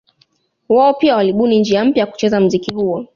Wao pia walibuni njia mpya ya kucheza mziki huo